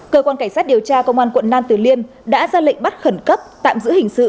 cơ quan cảnh sát điều tra công an quận nam tử liêm đã ra lệnh bắt khẩn cấp tạm giữ hình sự